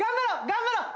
頑張ろう！